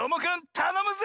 たのむぜ！